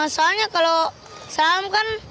soalnya kalau slalom kan